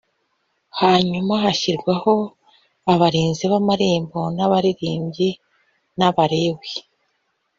Hanyuma hashyirwaho abarinzi b amarembo r n abaririmbyi s n Abalewi